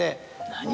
何？